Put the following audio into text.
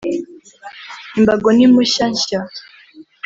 Imbago n impushya nshya